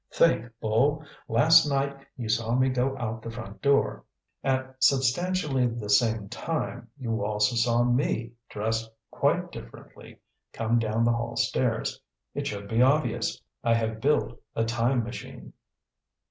"Think, Bull! Last night you saw me go out the front door. At substantially the same time, you also saw me, dressed quite differently, come down the hall stairs. It should be obvious. I have built a time machine."